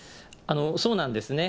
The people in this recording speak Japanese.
そうなんですね。